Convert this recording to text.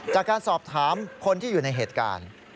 จากการสอบถามคนที่อยู่ในเหตุการณ์